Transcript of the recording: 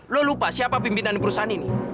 lo lupa siapa pimpinan perusahaan ini